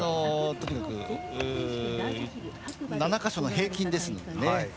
とにかく７か所の平均ですのでね。